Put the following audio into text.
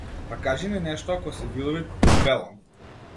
Па кажи ни нешто ако си видовит, му велам.